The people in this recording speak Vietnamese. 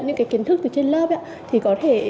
những cái kiến thức từ trên lớp thì có thể